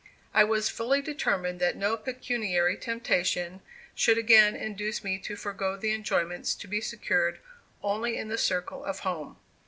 I was fully determined that no pecuniary temptation should again induce me to forego the enjoyments to be secured only in the circle of home.